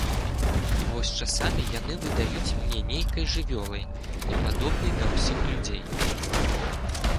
І вось часамі яны выдаюць мне нейкай жывёлай, непадобнай да ўсіх людзей.